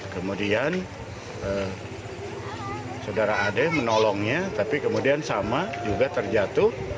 kemudian saudara ade menolongnya tapi kemudian sama juga terjatuh